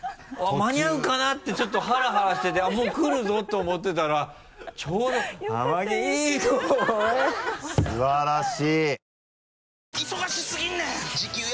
間に合うかなってちょっとハラハラしててもう来るぞと思ってたらちょうど「天城越え」素晴らしい。